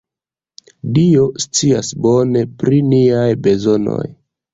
Dio scias bone pri niaj bezonoj.